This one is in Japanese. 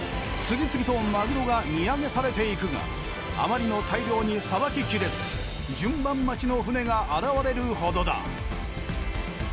次々とマグロが荷揚げされていくがあまりの大漁にさばききれず順番待ちの船が現れるほどだ。